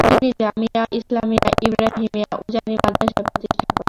তিনি জামিয়া ইসলামিয়া ইব্রাহিমিয়া উজানি মাদ্রাসা প্রতিষ্ঠা করেন।